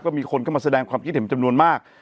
ก็มีคนเข้ามาแสดงความคิดเห็นจำนวนมาก